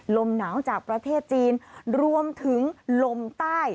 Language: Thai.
ลมหนาวจากประเทศจีนรวมถึงลมใต้